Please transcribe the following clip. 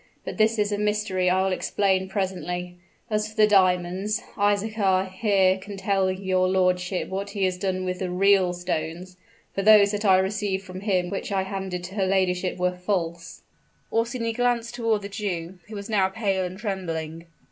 But this is a mystery I will explain presently. As for the diamonds Isaachar here can tell your lordship what he has done with the real stones, for those that I received from him which I handed to her ladyship were false." Orsini glanced toward the Jew, who was now pale and trembling.